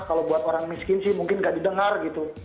kalau buat orang miskin sih mungkin nggak didengar gitu